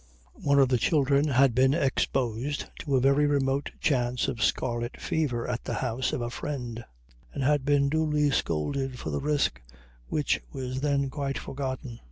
One of the children had been exposed to a very remote chance of scarlet fever at the house of a friend, and had been duly scolded for the risk, which was then quite forgotten.